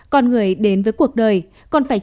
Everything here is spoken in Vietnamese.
con người đến với cuộc đời còn phải